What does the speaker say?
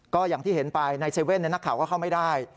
ก็อย่างที่เห็นไปใน๗๑๑นักข่าวก็เข้าไม่ได้